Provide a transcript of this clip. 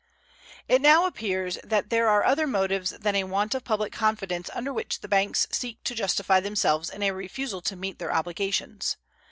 It now appears that there are other motives than a want of public confidence under which the banks seek to justify themselves in a refusal to meet their obligations.